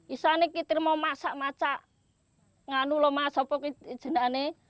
isen isen kita mau masak masak ngaku loh mas apa kita jenak nih